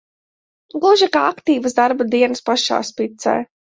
Gluži kā aktīvas darba dienas pašā spicē.